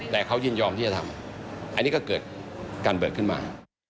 แต่เขายินยอมที่จะทำอันนี้ก็เกิดการเบิกขึ้นมา